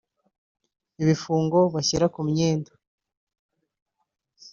ibifungo bashyira ku myenda